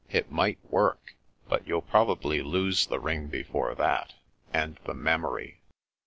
It might work. But you'll prob ably lose the ring before that — ^and the memory."